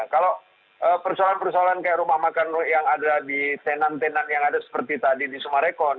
kalau persoalan persoalan kayak rumah makan yang ada di tenan tenan yang ada seperti tadi di sumarekon